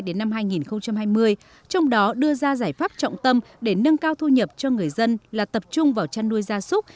tỉnh huyện lào cai đến năm hai nghìn hai mươi trong đó đưa ra giải pháp trọng tâm để nâng cao thu nhập cho người dân là tập trung vào chăn nuôi gia súc